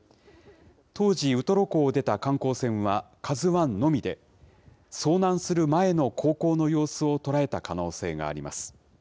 当時、ウトロ港を出た観光船は、ＫＡＺＵＩのみで、遭難する前の航行の様子を捉えた可能性があります。